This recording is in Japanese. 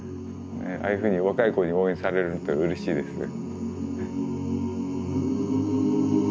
ああいうふうに若い子に応援されるっていうのはうれしいですね。